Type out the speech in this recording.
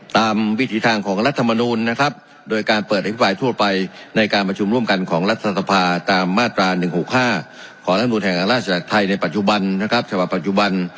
ตามวิถีทางของรัฐรมนูนโดยการเปิดอภิษภายทั่วไปในการประชุมร่วมกันของรัฐศาสตร์ภาคตามมาตร๑๖๕ขรัฐศาสตร์ธนาคต์ในปัจจุบัน